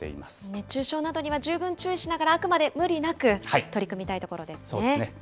熱中症などには十分注意しながら、あくまで無理なく取り組みそうですね。